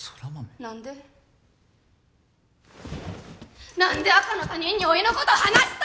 何で何で赤の他人においのこと話すと！